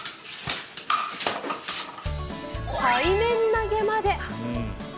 背面投げまで。